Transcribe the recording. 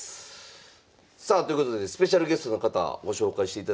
さあということでスペシャルゲストの方ご紹介していただきましょう。